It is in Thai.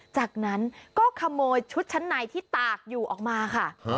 จากนั้นก็ขโมยชุดชั้นในที่ตากอยู่ออกมาค่ะ